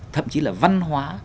thậm chí là văn hóa